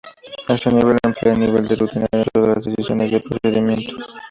Este nivel emplea el nivel de rutina dentro de las decisiones de procedimiento.